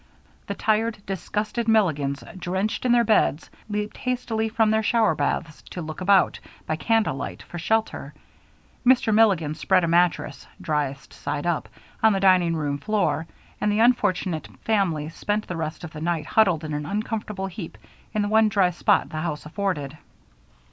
The tired, disgusted Milligans, drenched in their beds, leaped hastily from their shower baths to look about, by candlelight, for shelter. Mr. Milligan spread a mattress, driest side up, on the dining room floor, and the unfortunate family spent the rest of the night huddled in an uncomfortable heap in the one dry spot the house afforded.